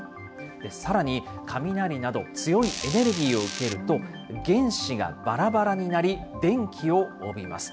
さらに、雷など、強いエネルギーを受けると、原子がばらばらになり、電気を帯びます。